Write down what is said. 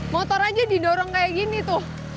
motor aja didorong kayak gini tuh